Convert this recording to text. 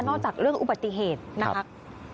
จากเรื่องอุบัติเหตุนะครับ